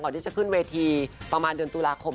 ที่จะขึ้นเวทีประมาณเดือนตุลาคม